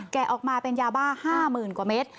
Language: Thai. ออกมาเป็นยาบ้า๕๐๐๐กว่าเมตร